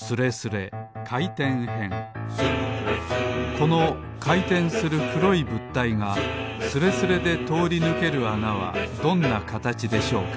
このかいてんするくろいぶったいがスレスレでとおりぬけるあなはどんなかたちでしょうか？